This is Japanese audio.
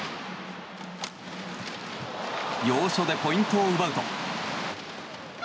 要所でポイントを奪うと。